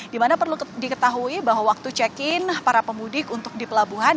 di mana perlu diketahui bahwa waktu check in para pemudik untuk di pelabuhan